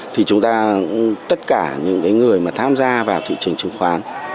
thì tất cả những người tham gia vào thị trường chứng khoán